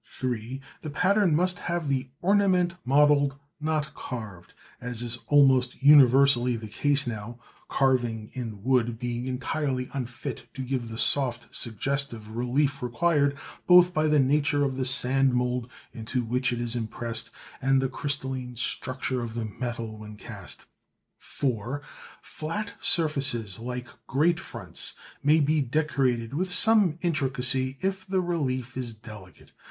(3) The pattern must have the ornament modelled, not carved, as is almost universally the case now, carving in wood being entirely unfit to give the soft suggestive relief required both by the nature of the sand mould into which it is impressed, and the crystalline structure of the metal when cast. (4) Flat surfaces like grate fronts may be decorated with some intricacy if the relief is delicate.